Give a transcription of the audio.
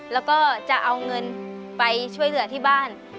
แล้วก็จะเอาเงินไปช่วยเหลือที่บ้าน